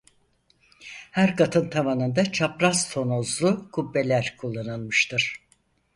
Her katın tavanında çapraz tonozlu kubbeler kullanılmıştır.